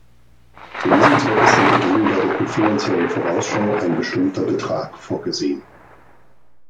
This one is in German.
Zu diesem Zweck ist in der gegenwärtigen Finanziellen Vorausschau ein bestimmter Betrag vorgesehen.